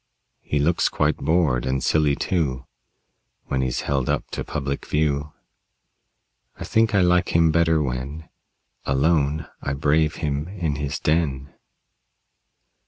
He looks quite bored, and silly, too, When he's held up to public view. I think I like him better when Alone I brave him in his den.